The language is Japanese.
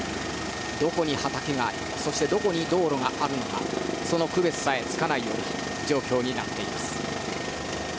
どこに畑がありそして、どこに道路があるのかその区別さえつかないような状況になっています。